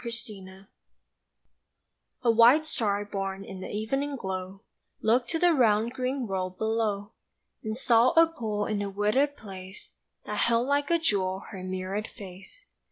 THE STAR A WHITE star born in the evening glow Looked to the round green world below, And saw a pool in a wooded place That held like a jewel her mirrored face.